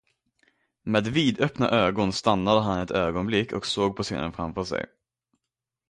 Med vidöppna ögon stannade han ett ögonblick och såg på scenen framför sig.